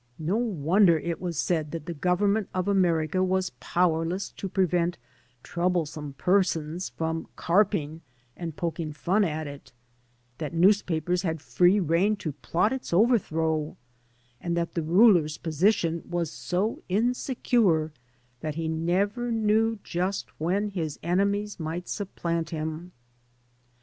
No wonder it was said that the Government of America was powerless to prevent troublesome persons from carping and poking f\m at it, that newspapers had free rein to plot its overthrow, and that the ruler's position was so insecure that he never knew just when his enemies might supplant him.